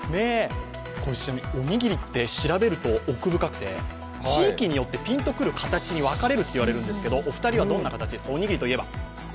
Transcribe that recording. おにぎりって調べると奥深くて地域によってピンとくる形に分かれるっていわれるんですけどお二人はどんな形ですか、おにぎりといえば。